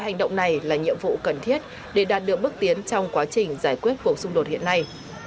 hành động này là nhiệm vụ cần thiết để đạt được bước tiến trong quá trình giải quyết cuộc xung đột hiện nay